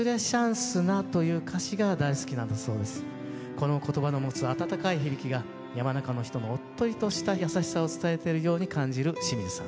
この言葉の持つ温かい響きが山中の人のおっとりとした優しさを伝えてるように感じる清水さん。